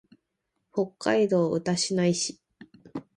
北海道歌志内市